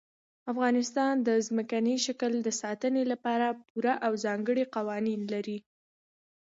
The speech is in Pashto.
افغانستان د ځمکني شکل د ساتنې لپاره پوره او ځانګړي قوانین لري.